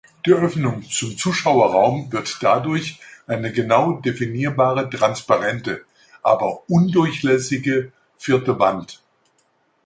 Die Öffnung zum Zuschauerraum wird dadurch eine genau definierbare transparente, aber undurchlässige Vierte Wand.